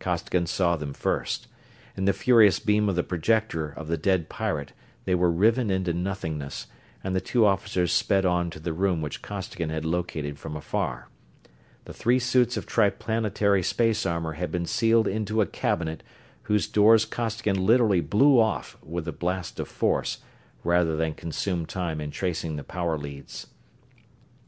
Costigan saw them first. In the furious beam of the projector of the dead pirate they were riven into nothingness, and the two officers sped on to the room which Costigan had located from afar. The three suits of Triplanetary space armor had been sealed into a cabinet whose doors Costigan literally blew off with a blast of force, rather than consume time in tracing the power leads.